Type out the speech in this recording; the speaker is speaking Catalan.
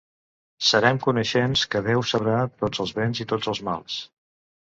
Serem coneixents que Déu sabrà tots els béns i tots els mals.